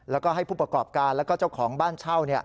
แล้วก็ให้ผู้ประกอบการแล้วก็เจ้าของบ้านเช่า